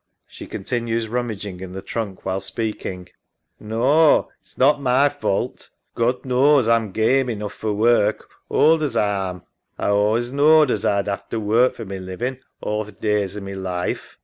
[She continues rummaging in the trunk while speaking. SARAH. Naw. It's not my fault. God knaws A'm game enough for work, ould as A am. A allays knawed as A'd 'ave to work for my living all th' days o' my life.